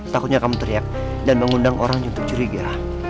takutnya kamu teriak dan mengundang orang untuk curiga